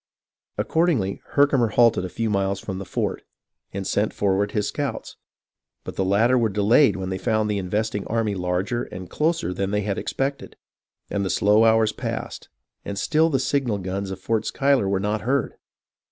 Accordingly, Herkimer halted a few miles from the fort, and sent forward his scouts ; but the latter were delayed IN THE MOHAWK VALLEY 1 95 when they found the investing army larger and closer than they had expected, and the slow hours passed, and still the signal guns of Fort Schuyler were not heard.